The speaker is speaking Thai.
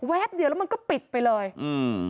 เดียวแล้วมันก็ปิดไปเลยอืม